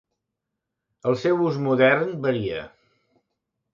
El seu ús modern varia.